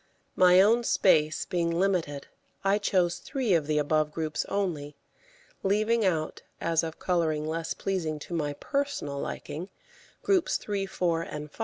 My own space being limited, I chose three of the above groups only, leaving out, as of colouring less pleasing to my personal liking, groups 3, 4, and 5.